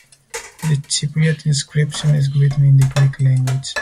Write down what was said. The Cypriot inscription is written in the Greek language.